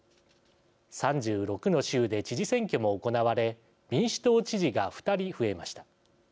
３６の州で知事選挙も行われ民主党知事が２人増えました。